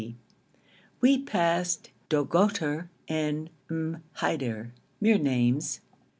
We passed Dogoter and M'Haider, mere names.